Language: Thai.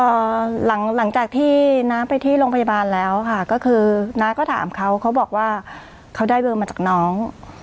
หลังจากที่น้าไปที่โรงพยาบาลแล้วค่ะก็คือน้าก็ถามเขาเขาบอกว่าเขาได้เบอร์มาจากน้อง